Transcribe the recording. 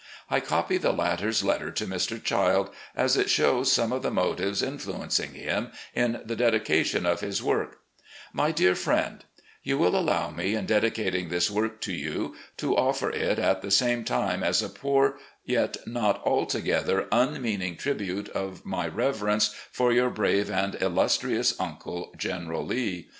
I copy the latter's letter to Mr. Childe, as it shows some of the motives influencing him in the dedication of his work: " My Dear Friend: You will allow me, in dedicating this work to you, to offer it at the same time as a poor yet not 212 RECOLLECTIONS OP GENERAL LEE altogether unmeaning tribute of my reverence for your brave and illustrious uncle, General Lee.